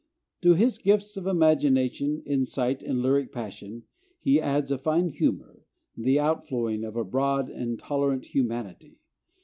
To his gifts of imagination, insight, and lyric passion he adds a fine humor, the outflowing of a broad and tolerant humanity.